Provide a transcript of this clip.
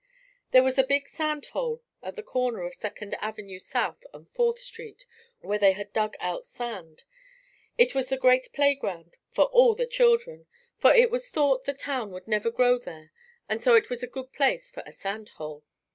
There was a big sand hole at the corner of Second Avenue South and Fourth Street where they had dug out sand. It was the great playground for all the children, for it was thought the town would never grow there and so it was a good place for a sand hole.